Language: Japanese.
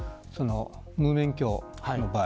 無免許の場合。